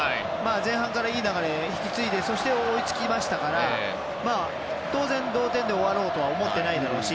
前半からいい流れを引き継いでそして、追いつきましたから当然、同点で終わろうとは思っていないだろうし